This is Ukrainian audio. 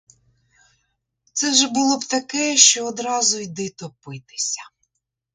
Це вже було б таке, що одразу йди топитися.